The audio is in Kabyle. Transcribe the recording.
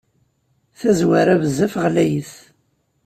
Tazwara, bezzaf ɣlayet.